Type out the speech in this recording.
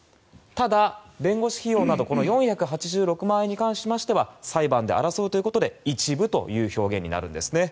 ただ、弁護士費用などこの４８６万円に関しては裁判で争うということで一部という表現になるんですね。